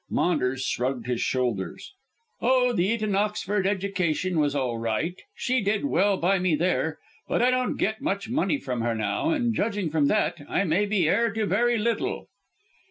Maunders shrugged his shoulders. "Oh, the Eton Oxford education was all right; she did well by me there. But I don't get much money from her now, and judging from that, I may be heir to very little."